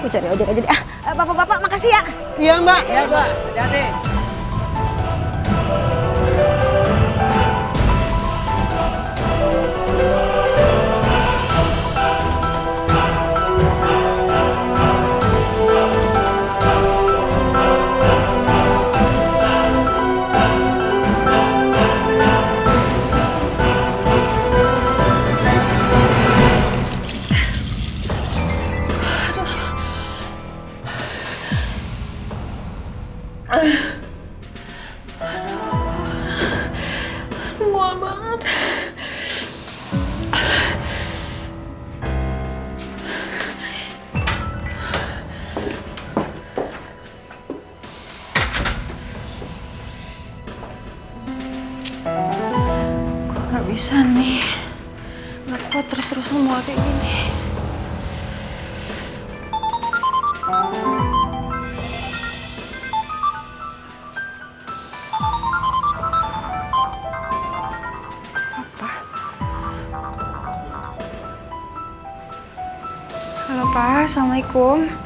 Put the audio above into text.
halo pak assalamualaikum